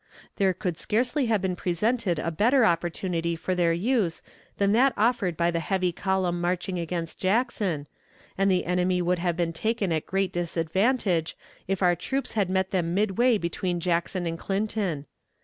There could scarcely have been presented a better opportunity for their use than that offered by the heavy column marching against Jackson, and the enemy would have been taken at great disadvantage if our troops had met them midway between Jackson and Clinton.